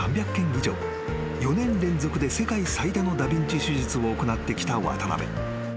［４年連続で世界最多のダビンチ手術を行ってきた渡邊］